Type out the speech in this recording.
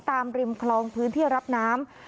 ริมคลองพื้นที่รับน้ำ